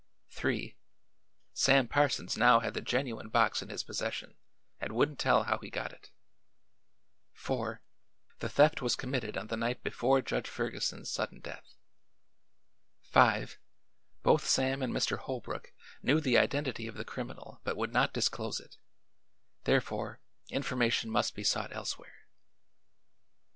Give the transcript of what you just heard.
3 Sam Parsons now had the genuine box in his possession and wouldn't tell how he got it. 4 The theft was committed on the night before Judge Ferguson's sudden death. 5 Both Sam and Mr. Holbrook knew the identity of the criminal but would not disclose it; therefore information must be sought elsewhere."